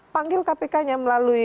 panggil kpk nya melalui